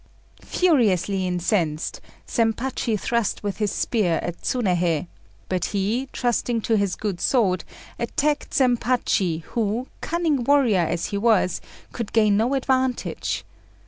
Furiously incensed, Zempachi thrust with his spear at Tsunéhei; but he, trusting to his good sword, attacked Zempachi, who, cunning warrior as he was, could gain no advantage.